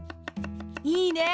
いいね！